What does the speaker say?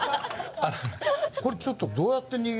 これちょっとどうやって握るの？